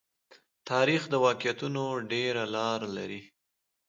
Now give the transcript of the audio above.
تاریخ د واقعیتونو ډېره لار لري.